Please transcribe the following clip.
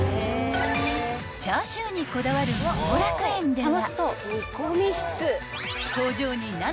［チャーシューにこだわる幸楽苑では］